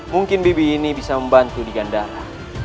mungkin bibi ini bisa membantu di gandara